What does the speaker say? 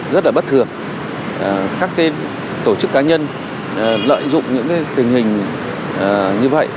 rất là bất thường các tổ chức cá nhân lợi dụng những tình hình như vậy